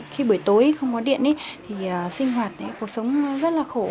khi buổi tối không có điện thì sinh hoạt cuộc sống rất là khổ